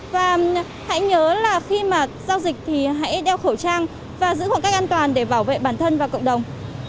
và hãy nhớ là khi mà giao dịch thì hãy đeo khẩu trang và giữ khoảng cách an toàn để bảo vệ bản thân và cộng đồng